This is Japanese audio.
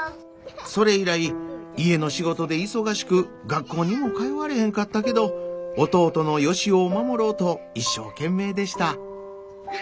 それ以来家の仕事で忙しく学校にも通われへんかったけど弟のヨシヲを守ろうと一生懸命でした。